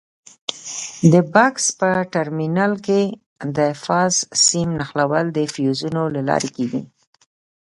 د بکس په ټرمینل کې د فاز سیم نښلول د فیوزونو له لارې کېږي.